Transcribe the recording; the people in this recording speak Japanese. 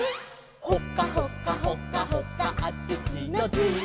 「ほかほかほかほかあちちのチー」